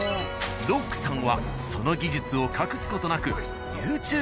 ロックさんはその技術を隠す事なく。